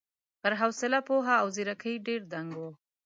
پر حوصله، پوهه او ځېرکۍ ډېر دنګ و.